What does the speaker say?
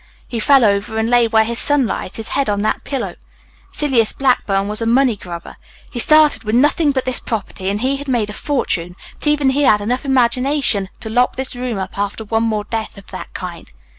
He fell over and lay where his son lies, his head on that pillow. Silas Blackburn was a money grubber. He started with nothing but this property, and he made a fortune, but even he had enough imagination to lock this room up after one more death of that kind.